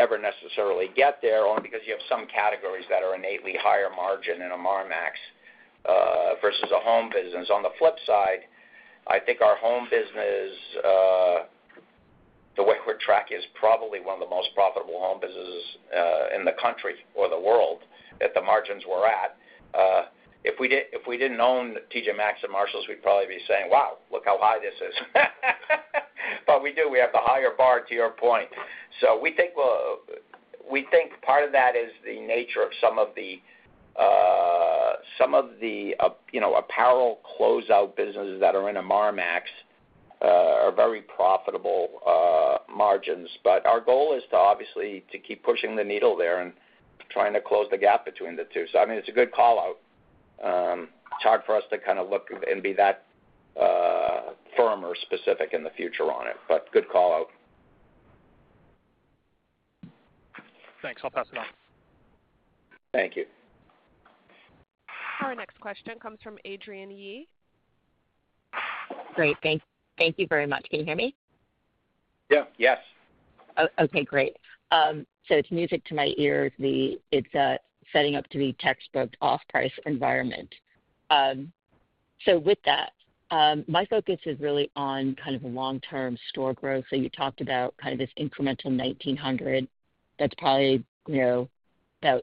ever necessarily get there because you have some categories that are innately higher margin in a Marmaxx versus a home business. On the flip side, I think our home business, the way we're tracking, is probably one of the most profitable home businesses in the country or the world at the margins we're at. If we didn't own T.J. Maxx and Marshalls, we'd probably be saying, "Wow, look how high this is." But we do. We have the higher bar, to your point. So we think part of that is the nature of some of the apparel closeout businesses that are in a Marmaxx are very profitable margins. But our goal is to obviously keep pushing the needle there and trying to close the gap between the two. So I mean, it's a good call out. It's hard for us to kind of look and be that firm or specific in the future on it, but good call out. Thanks. I'll pass it on. Thank you. Our next question comes from Adrienne Yih. Great. Thank you very much. Can you hear me? Yeah. Yes. Okay. Great. So it's music to my ears. It's setting up to be textbook off-price environment. So with that, my focus is really on kind of long-term store growth. So you talked about kind of this incremental 1,900. That's probably about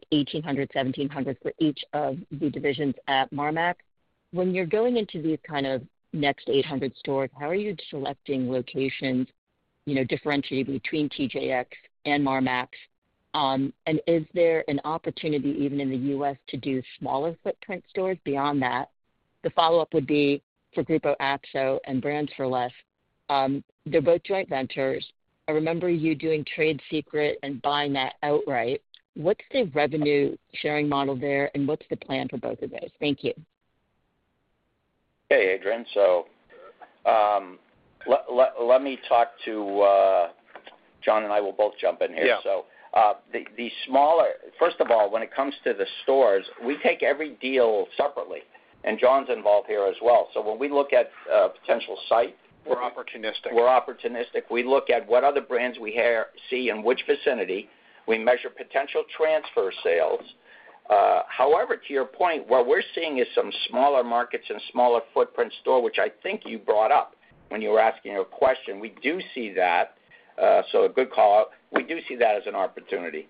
1,800, 1,700 for each of the divisions at Marmaxx. When you're going into these kind of next 800 stores, how are you selecting locations, differentiating between TJX and Marmaxx? And is there an opportunity even in the U.S. to do smaller footprint stores? Beyond that, the follow-up would be for Grupo Axo and Brands For Less. They're both joint ventures. I remember you doing Trade Secret and buying that outright. What's the revenue sharing model there, and what's the plan for both of those? Thank you. Hey, Adrienne. So let me talk to John, and I will both jump in here. So the smaller, first of all, when it comes to the stores, we take every deal separately, and John's involved here as well. So when we look at potential site. We're opportunistic. We're opportunistic. We look at what other brands we see in which vicinity. We measure potential transfer sales. However, to your point, what we're seeing is some smaller markets and smaller footprint store, which I think you brought up when you were asking your question. We do see that. So a good call out. We do see that as an opportunity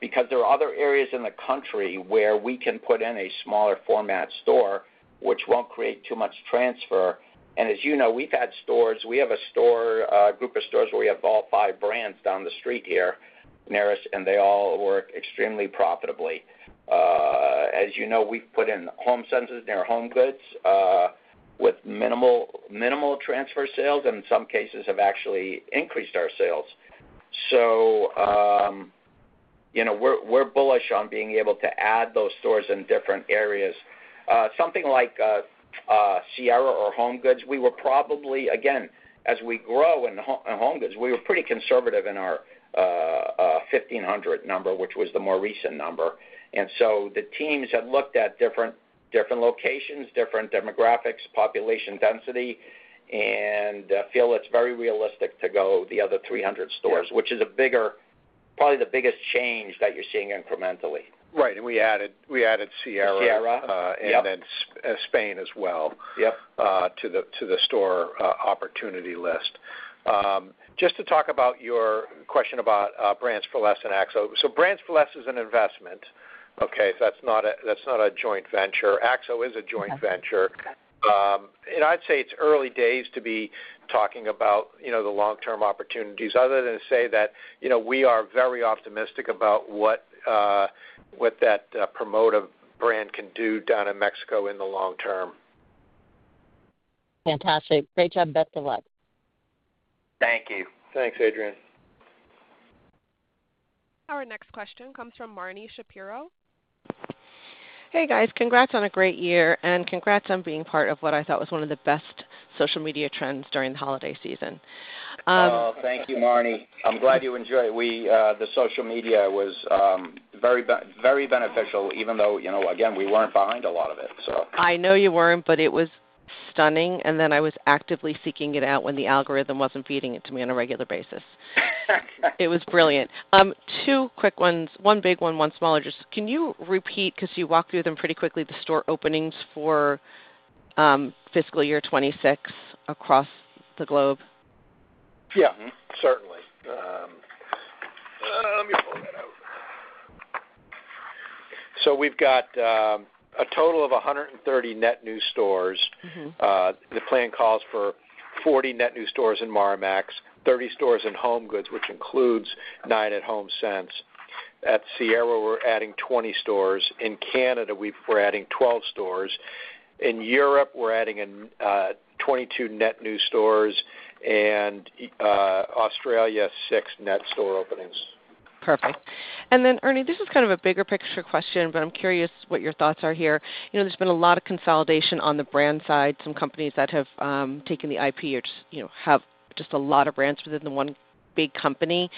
because there are other areas in the country where we can put in a smaller format store, which won't create too much transfer. And as you know, we've had stores—we have a group of stores where we have all five brands down the street here in the Northeast, and they all work extremely profitably. As you know, we've put in HomeSense near HomeGoods with minimal transfer sales and, in some cases, have actually increased our sales. So we're bullish on being able to add those stores in different areas. Something like Sierra or HomeGoods, we were probably, again, as we grow in HomeGoods, we were pretty conservative in our 1,500 number, which was the more recent number. And so the teams have looked at different locations, different demographics, population density, and feel it's very realistic to go the other 300 stores, which is probably the biggest change that you're seeing incrementally. Right. And we added Sierra and then Spain as well to the store opportunity list. Just to talk about your question about Brands For Less and Axo. So Brands For Less is an investment. Okay. That's not a joint venture. Axo is a joint venture. And I'd say it's early days to be talking about the long-term opportunities, other than to say that we are very optimistic about what that Promoda brand can do down in Mexico in the long term. Fantastic. Great job. Best of luck. Thank you. Thanks, Adrienne. Our next question comes from Marni Shapiro. Hey, guys. Congrats on a great year, and congrats on being part of what I thought was one of the best social media trends during the holiday season. Oh, thank you, Marni. I'm glad you enjoyed it. The social media was very beneficial, even though, again, we weren't behind a lot of it, so. I know you weren't, but it was stunning. And then I was actively seeking it out when the algorithm wasn't feeding it to me on a regular basis. It was brilliant. Two quick ones. One big one, one smaller. Just can you repeat because you walked through them pretty quickly, the store openings for fiscal year 2026 across the globe? Yeah. Certainly. Let me pull that out. So we've got a total of 130 net new stores. The plan calls for 40 net new stores in Marmaxx, 30 stores in HomeGoods, which includes nine at HomeSense. At Sierra, we're adding 20 stores. In Canada, we're adding 12 stores. In Europe, we're adding 22 net new stores, and Australia, six net store openings. Perfect. And then, Ernie, this is kind of a bigger picture question, but I'm curious what your thoughts are here. There's been a lot of consolidation on the brand side. Some companies that have taken the IP or just have a lot of brands within the one big company.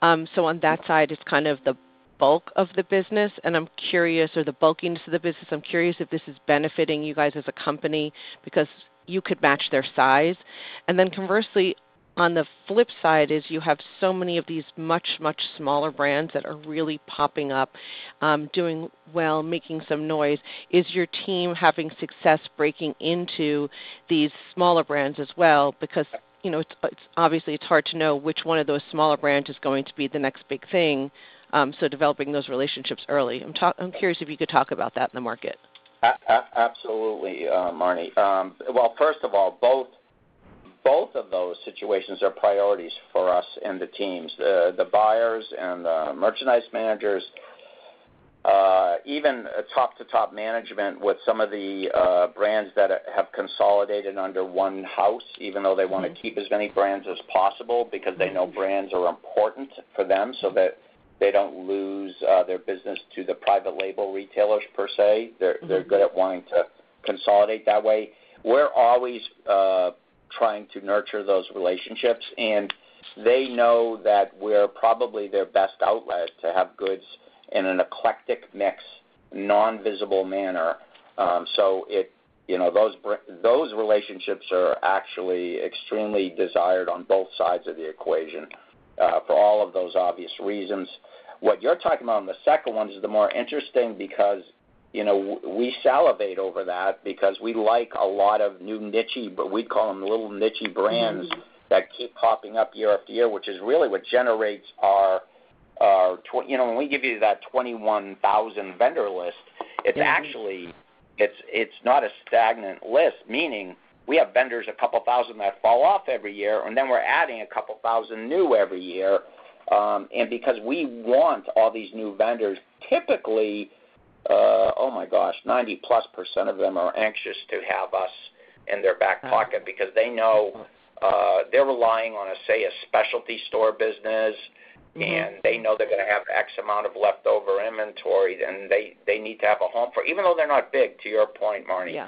So on that side, it's kind of the bulk of the business. And I'm curious, or the bulkiness of the business, I'm curious if this is benefiting you guys as a company because you could match their size. And then conversely, on the flip side is you have so many of these much, much smaller brands that are really popping up, doing well, making some noise. Is your team having success breaking into these smaller brands as well? Because obviously, it's hard to know which one of those smaller brands is going to be the next big thing. So developing those relationships early. I'm curious if you could talk about that in the market? Absolutely, Marni. Well, first of all, both of those situations are priorities for us and the teams. The buyers and the merchandise managers, even top-to-top management with some of the brands that have consolidated under one house, even though they want to keep as many brands as possible because they know brands are important for them so that they don't lose their business to the private label retailers per se. They're good at wanting to consolidate that way. We're always trying to nurture those relationships, and they know that we're probably their best outlet to have goods in an eclectic mix, non-visible manner. So those relationships are actually extremely desired on both sides of the equation for all of those obvious reasons. What you're talking about on the second one is the more interesting because we salivate over that because we like a lot of new nichey, but we'd call them little nichey brands that keep popping up year after year, which is really what generates our, when we give you that 21,000 vendor list, it's actually not a stagnant list, meaning we have vendors, a couple thousand that fall off every year, and then we're adding a couple thousand new every year. And because we want all these new vendors, typically, oh my gosh, +90% of them are anxious to have us in their back pocket because they know they're relying on, say, a specialty store business, and they know they're going to have X amount of leftover inventory, and they need to have a home for, even though they're not big, to your point, Marni.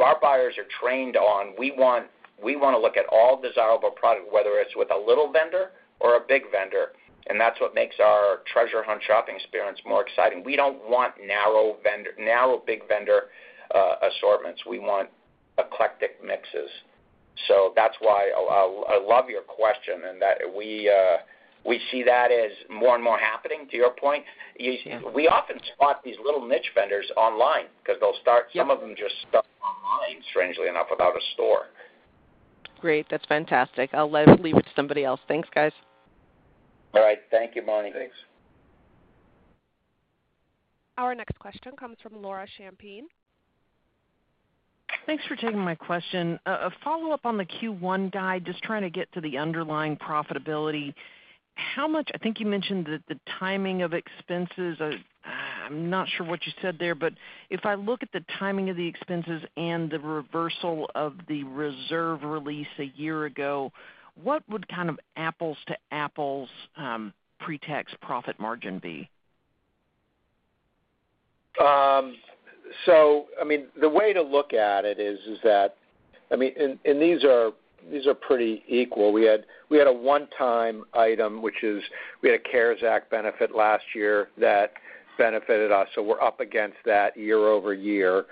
Our buyers are trained on we want to look at all desirable products, whether it's with a little vendor or a big vendor. That's what makes our treasure hunt shopping experience more exciting. We don't want narrow big vendor assortments. We want eclectic mixes. That's why I love your question and that we see that as more and more happening, to your point. We often spot these little niche vendors online because some of them just start online, strangely enough, without a store. Great. That's fantastic. I'll leave it to somebody else. Thanks, guys. All right. Thank you, Marni. Thanks. Our next question comes from Laura Champine. Thanks for taking my question. A follow-up on the Q1 guide, just trying to get to the underlying profitability. I think you mentioned that the timing of expenses, I'm not sure what you said there, but if I look at the timing of the expenses and the reversal of the reserve release a year ago, what would kind of apples-to-apples pre-tax profit margin be? So I mean, the way to look at it is that. I mean, and these are pretty equal. We had a one-time item, which is we had a CARES Act benefit last year that benefited us. So we're up against that year over year.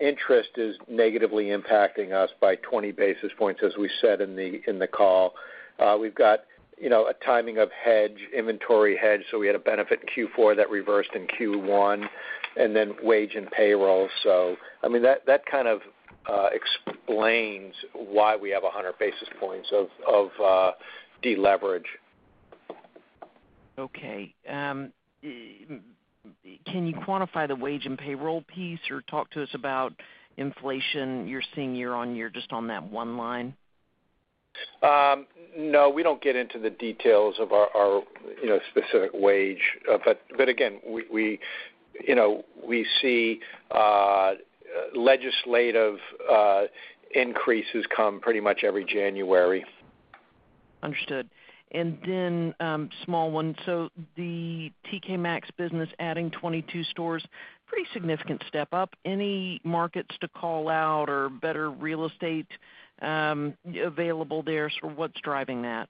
Interest is negatively impacting us by 20 basis points, as we said in the call. We've got a timing of hedge, inventory hedge. So we had a benefit in Q4 that reversed in Q1, and then wage and payroll. So I mean, that kind of explains why we have 100 basis points of deleverage. Okay. Can you quantify the wage and payroll piece or talk to us about inflation you're seeing year on year just on that one line? No, we don't get into the details of our specific wage. But again, we see legislative increases come pretty much every January. Understood, and then small one, so the TK Maxx business adding 22 stores, pretty significant step up. Any markets to call out or better real estate available there, so what's driving that?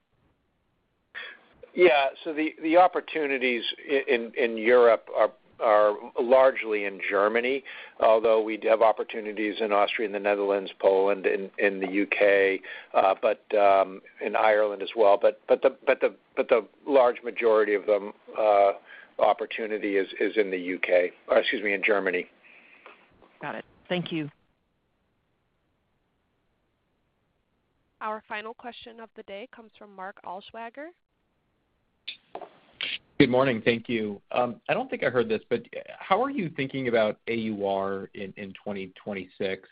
Yeah. So the opportunities in Europe are largely in Germany, although we do have opportunities in Austria, the Netherlands, Poland, and the UK, but in Ireland as well. But the large majority of the opportunity is in the UK, excuse me, in Germany. Got it. Thank you. Our final question of the day comes from Mark Altschwager. Good morning. Thank you. I don't think I heard this, but how are you thinking about AUR in 2026?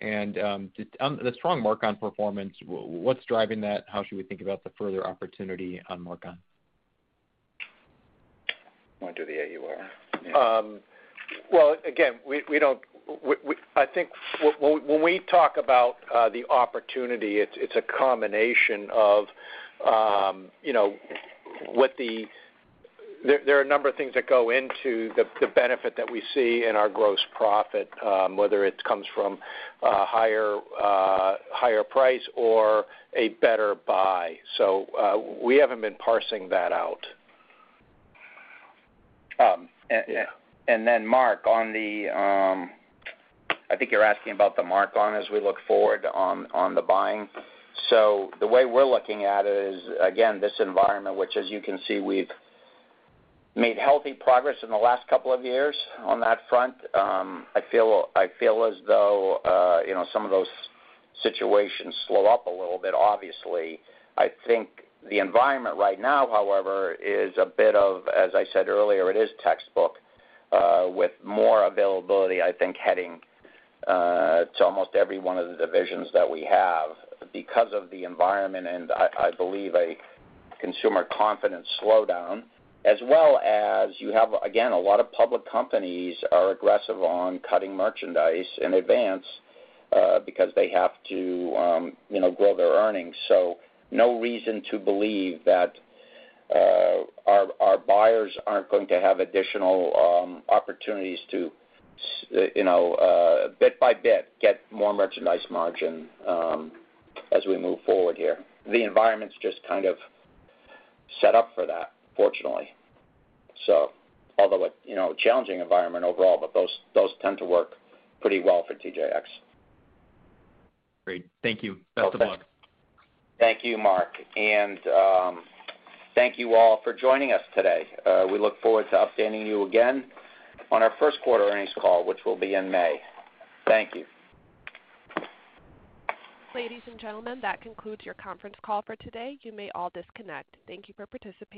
And the strong mark-on performance, what's driving that? How should we think about the further opportunity on mark-on? Why do the AUR? Again, we don't. I think when we talk about the opportunity, it's a combination of what the. There are a number of things that go into the benefit that we see in our gross profit, whether it comes from a higher price or a better buy. So we haven't been parsing that out. And then, Mark, on the, I think you're asking about the mark-on as we look forward on the buying. So the way we're looking at it is, again, this environment, which, as you can see, we've made healthy progress in the last couple of years on that front. I feel as though some of those situations slow up a little bit, obviously. I think the environment right now, however, is a bit of, as I said earlier, it is textbook with more availability, I think, heading to almost every one of the divisions that we have because of the environment and, I believe, a consumer confidence slowdown, as well as you have, again, a lot of public companies that are aggressive on cutting merchandise in advance because they have to grow their earnings. So no reason to believe that our buyers aren't going to have additional opportunities to, bit by bit, get more merchandise margin as we move forward here. The environment's just kind of set up for that, fortunately. So although a challenging environment overall, but those tend to work pretty well for TJX. Great. Thank you. Best of luck. Thank you, Mark. And thank you all for joining us today. We look forward to updating you again on our first quarter earnings call, which will be in May. Thank you. Ladies and gentlemen, that concludes your conference call for today. You may all disconnect. Thank you for participating.